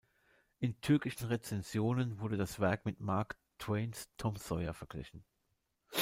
In türkischen Rezensionen wurde das Werk mit Mark Twains "Tom Sawyer" verglichen.